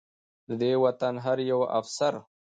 د دې وطن هر يو افسر